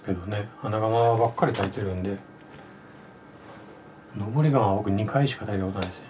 穴窯ばっかり焚いてるんで登り窯は僕２回しか焚いたことないですね